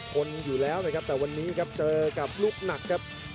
คนอยู่แล้วนะครับแต่วันนี้ครับเจอกับลูกหนักครับ